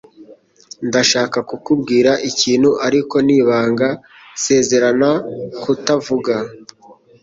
Ndashaka kukubwira ikintu, ariko ni ibanga. Sezerana kutavuga.